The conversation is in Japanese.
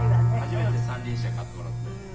初めて三輪車買ってもらって。